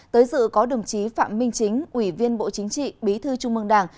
tới dự có đồng chí phạm minh chính ủy viên bộ chính trị bí thư trung mương đảng